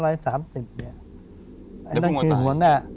แล้วพี่มันตาย